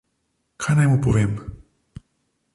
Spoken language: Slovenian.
Kaj naj mu povem?